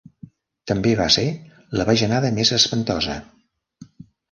També va ser la bajanada més espantosa.